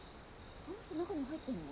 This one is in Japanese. あの人中に入ってんの？